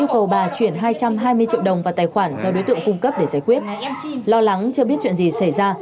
các đối tượng cung cấp để giải quyết lo lắng chưa biết chuyện gì xảy ra